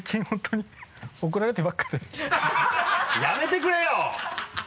やめてくれよ！